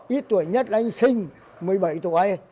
ít tuổi nhất anh sinh một mươi bảy tuổi